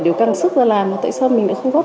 đều cần sức ra làm tại sao mình lại không góp